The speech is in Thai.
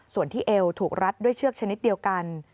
ส่วนที่เอวถูกรัดด้วยเชือกชนิดเดียวกัน